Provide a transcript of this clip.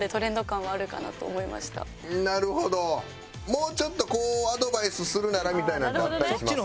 もうちょっとアドバイスするならみたいなのってあったりしますか？